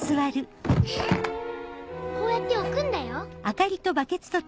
こうやって置くんだよ。